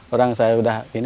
orang saya sudah ini